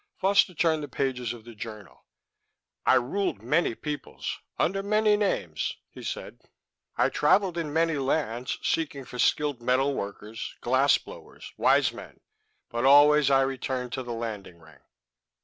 Foster turned the pages of the journal. "I ruled many peoples, under many names," he said. "I traveled in many lands, seeking for skilled metal workers, glass blowers, wise men. But always I returned to the landing ring."